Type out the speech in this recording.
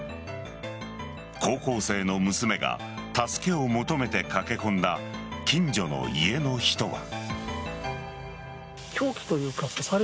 高校生の娘が助けを求めて駆け込んだ近所の家の人は。